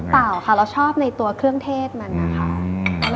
เปล่าค่ะเราชอบในตัวเครื่องเทศมันนะคะ